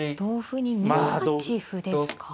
同歩に２八歩ですか。